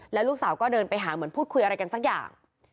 แล้วลูกสาวก็เดินไปหาเหมือนพูดคุยอะไรกันสักอย่าง